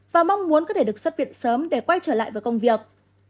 và mong muốn có thể được xuất viện sớm để quay trở lại với công việc